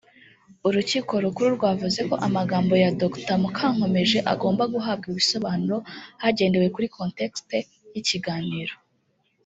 Urukiko Rukuru rwavuze ko amagambo ya Dr Mukankomeje agomba guhabwa ibisobanuro hagendewe kuri “contexte” y’ikiganiro